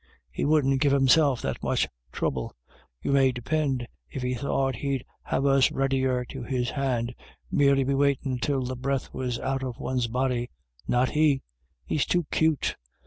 He wouldn't give himself that much throuble, you may depind, if he thought he'd have us readier to his hand, merely be waitin' till the breath was out of one's body — not he ; he's too cute.